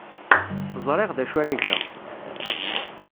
Ẓriɣ d acu ara geɣ.